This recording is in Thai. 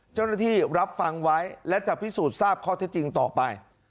เจ้าหน้าที่รับฟังไว้และจะพิสูจน์ทราบข้อแท้จริงต่อไป